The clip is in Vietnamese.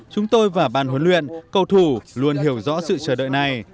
chúng tôi và bàn huấn luyện cầu thủ luôn hiểu rõ sự chờ đợi này